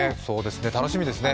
楽しみですね。